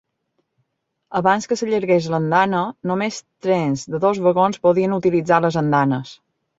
Abans que s'allargués l'andana, només trens de dos vagons podien utilitzar les andanes.